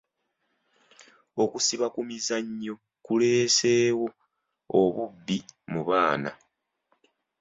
Okusiba ku mizannyo kuleeseewo obubbi mu baana.